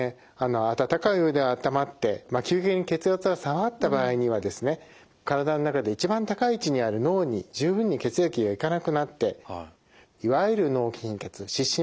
温かいお湯で温まって急激に血圧が下がった場合にはですね体の中で一番高い位置にある脳に十分に血液が行かなくなっていわゆる脳貧血・失神を起こすことがあります。